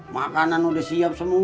makanan udah siap semua